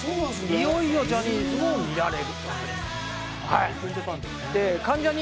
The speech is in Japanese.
いよいよジャニーズも見られる。